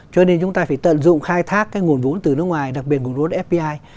cho nên chúng ta phải tận dụng khai thác cái nguồn vốn từ nước ngoài đặc biệt nguồn vốn fdi